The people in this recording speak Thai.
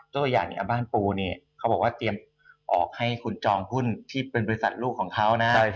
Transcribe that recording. ตัวอย่างบ้านปูเนี่ยเขาบอกว่าเตรียมออกให้คุณจองหุ้นที่เป็นบริษัทลูกของเขานะ